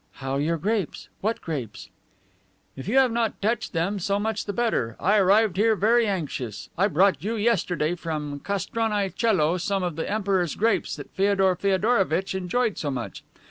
"How, your grapes? What grapes?" "If you have not touched them, so much the better. I arrived here very anxious. I brought you yesterday, from Krasnoie Coelo, some of the Emperor's grapes that Feodor Feodorovitch enjoyed so much.